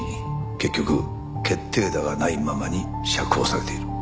結局決定打がないままに釈放されている。